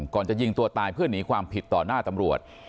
จะยิงตัวตายเพื่อหนีความผิดต่อหน้าตำรวจ